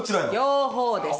両方です。